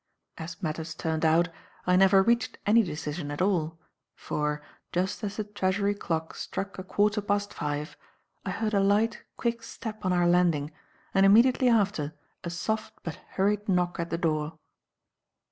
As matters turned out, I never reached any decision at all, for, just as the Treasury clock struck a quarter past five, I heard a light, quick step on our landing and immediately after a soft but hurried knock at the door.